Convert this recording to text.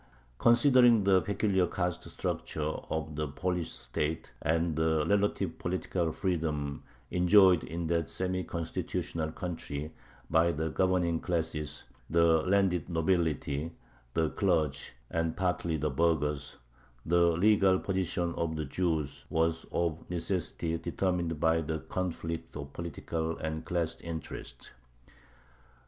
Considering the peculiar caste structure of the Polish state and the relative political freedom enjoyed in that semi constitutional country by the "governing classes" the landed nobility, the clergy, and partly the burghers the legal position of the Jews was of necessity determined by the conflict of political and class interests.